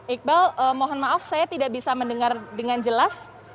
iqbal mohon maaf saya tidak bisa mendengar dengan jelas